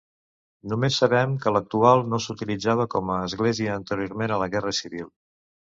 Només sabem que l'actual no s'utilitzava com a església anteriorment a la Guerra Civil.